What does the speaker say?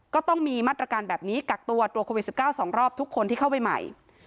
ก็ต้องมีมาตรการแบบนี้กักตัวตรวจโควิด๑๙๒รอบทุกคนที่เข้าไปใหม่